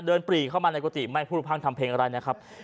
เดินปีเข้ามาในกติไม่พูดกับทำเพลงอะไรนะครับ